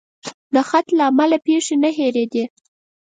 د خط له امله پیښې نه هېرېدې.